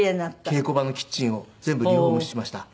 稽古場のキッチンを全部リフォームしました。